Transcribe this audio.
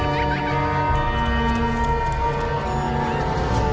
gue sudah selesai